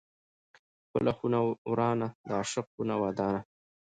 ـ خپله خونه ورانه، د عاشق خونه ودانه.